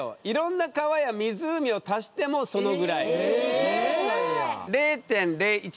いろんな川や湖を足してもそのぐらい。